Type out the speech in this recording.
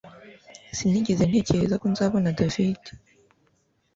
Sinigeze ntekereza ko nzabona David